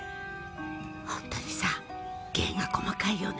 ホントにさ芸が細かいよね。